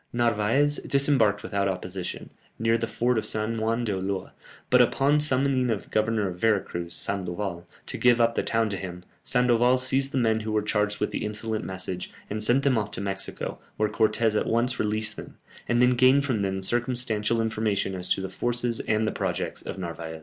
Narvaez disembarked without opposition, near to the fort of San Juan d'Ulloa, but upon summoning the Governor of Vera Cruz, Sandoval, to give up the town to him, Sandoval seized the men who were charged with the insolent message, and sent them off to Mexico, where Cortès at once released them, and then gained from them circumstantial information as to the forces, and the projects of Narvaez.